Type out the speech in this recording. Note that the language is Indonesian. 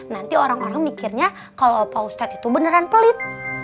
nanti orang orang mikirnya kalau pak ustadz itu beneran pelit